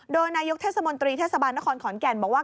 โดยนายกเทศมนตรีเทศบาลนครขอนแก่นบอกว่า